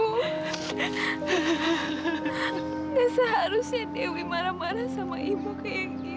nggak seharusnya dewi marah marah sama ibu kayak gitu